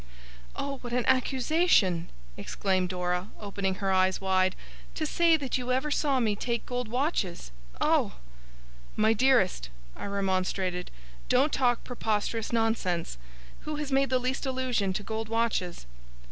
'Oh, what an accusation,' exclaimed Dora, opening her eyes wide; 'to say that you ever saw me take gold watches! Oh!' 'My dearest,' I remonstrated, 'don't talk preposterous nonsense! Who has made the least allusion to gold watches?